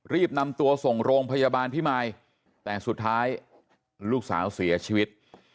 รีบนำตัวส่งโรงพยาบาลพิมายแต่สุดท้ายลูกสาวเสียชีวิต